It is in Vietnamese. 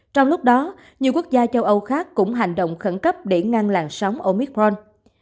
trong lúc đó nhiều quốc gia châu âu khác cũng hành động khẩn cấp để ngăn làn sóng omicron